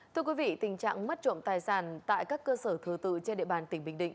thưa quý vị tình trạng mất trộm tài sản tại các cơ sở thờ tự trên địa bàn tỉnh bình định